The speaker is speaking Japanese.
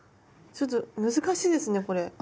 ちょっと難しいですねこれ。